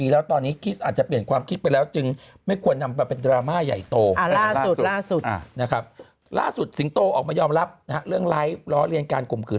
ล่าสุดสิงโตออกมายอมรับเรื่องไลฟ์ล้อเลียนการข่มขืน